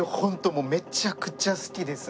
もうめちゃくちゃ好きですね。